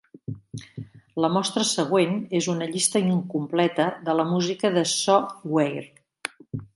La mostra següent és una llista incompleta de la música de "So Weird".